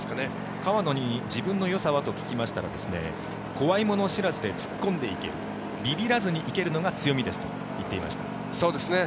川野に自分のよさは？と聞きましたら怖いもの知らずで突っ込んでいけるびびらずに行けるのが強みですと言っていました。